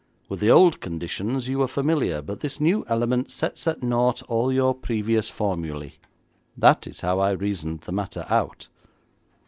With the old conditions you were familiar, but this new element sets at nought all your previous formulae. That is how I reasoned the matter out.'